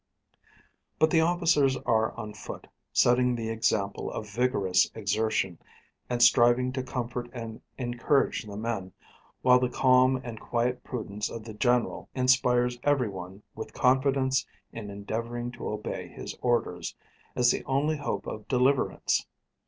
But the officers are on foot, setting the example of vigorous exertion, and striving to comfort and encourage the men; while the calm and quiet prudence of the general inspires every one with confidence in endeavouring to obey his orders, as the only hope of deliverance.